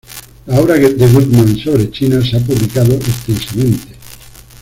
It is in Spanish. La obra de Gutmann sobre China se ha publicado extensamente.